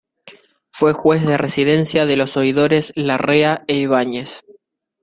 Fue juez de residencia de los oidores Larrea e Ibáñez.